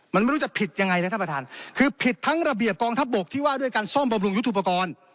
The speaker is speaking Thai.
มันไม่รู้จะผิดยังไงนะท่านประธานคือผิดทั้งระเบียบกองทัพบกที่ว่าด้วยการซ่อมบำรุงยุทธุปกรณ์